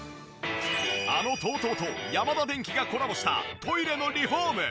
あのＴＯＴＯとヤマダデンキがコラボしたトイレのリフォーム。